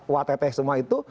uatt semua itu